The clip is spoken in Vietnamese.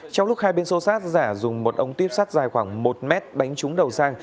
trong lúc hai bên sô sát giả dùng một ống tiếp sát dài khoảng một mét đánh trúng đầu sang